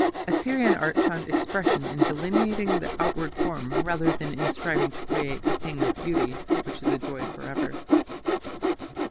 Assyrian art found expression in delineating the outward form rather than in striving to create a "thing of beauty" which is "a joy for ever".